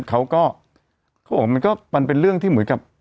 เขาบอกว่ามันก็มันเป็นเรื่องที่เหมือนกับ